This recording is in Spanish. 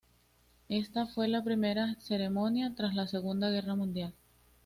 Esta fue la primera ceremonia tras la Segunda Guerra Mundial.